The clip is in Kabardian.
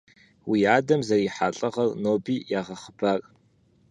Уи адэм зэрихьа лӀыгъэр ноби ягъэхъыбар.